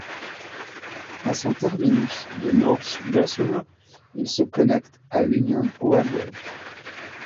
À son terminus de North Bessemer, il se connecte à l'Union Railroad.